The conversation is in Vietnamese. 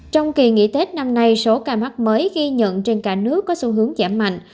trong kỳ nghỉ tết năm nay số ca mắc mới ghi nhận trên cả nước có xu hướng giảm mạnh